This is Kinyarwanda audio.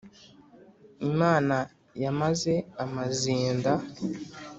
imana yamaze amazinda